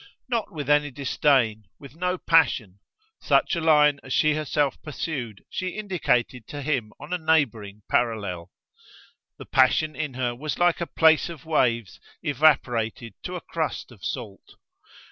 Not with any disdain, with no passion: such a line as she herself pursued she indicated to him on a neighbouring parallel. The passion in her was like a place of waves evaporated to a crust of salt.